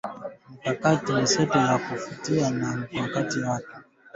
mikakati mseto ya kufuatilia na kukabiliana na magonjwa